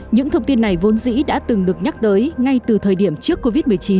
những thông tin này vốn dĩ đã từng được nhắc tới ngay từ thời điểm trước covid một mươi chín